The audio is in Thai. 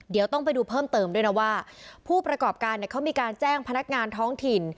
เดี๋ยวต้องไปดูเพิ่มเติมด้วยนะว่าผู้ประกอบการเนี่ยเขามีการแจ้งพนักงานท้องถิ่น